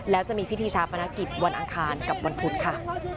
แล้วจะมีพิธีชาปนกิจวันอังคารกับวันพุธค่ะ